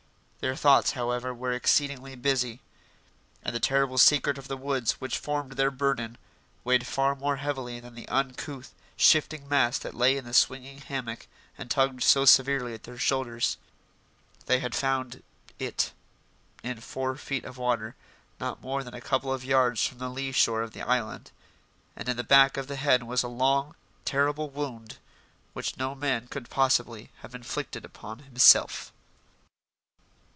Their thoughts, however, were exceedingly busy, and the terrible secret of the woods which formed their burden weighed far more heavily than the uncouth, shifting mass that lay in the swinging hammock and tugged so severely at their shoulders. They had found "it" in four feet of water not more than a couple of yards from the lee shore of the island. And in the back of the head was a long, terrible wound which no man could possibly have inflicted upon himself.